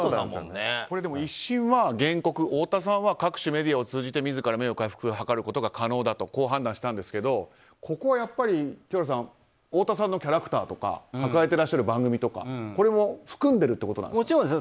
１審は原告、太田さんは各種メディアを通じて自ら名誉回復を図ることが可能だと判断したんですがここはやっぱり清原さん太田さんのキャラクターとか抱えていらっしゃる番組とかこれも含んでいるということですか。